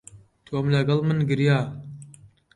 تۆم لەگەڵ من گریا.